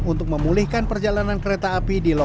untuk memulihkan perjalanan kereta api di lokasi